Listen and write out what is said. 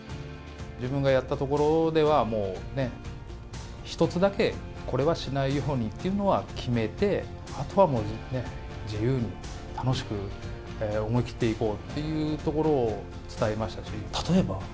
自分がやったところでは、一つだけこれはしないようにっていうのは決めてあとはもう自由に、楽しく、思い切っていこうというところを伝えましたし例えば？